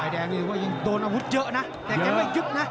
โดนอาวุธเยอะนะแต่แกไม่หยุดนะ